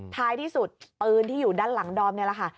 ท้ายที่สุดปืนที่อยู่ด้านหลังดอมนี่แหละค่ะ